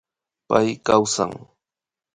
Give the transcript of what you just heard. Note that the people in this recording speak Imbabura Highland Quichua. Pay kawsan